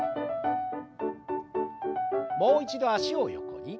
もう一度脚を横に。